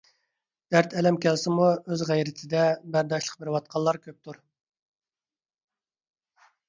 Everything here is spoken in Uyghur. دەرت ئەلەم كەلسىمۇ ئۆز غەيرىتدە بەرداشلىق بىرۋاتقانلار كۆپتۇر